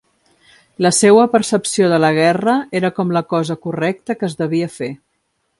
La seua percepció de la guerra era com la cosa correcta que es devia fer.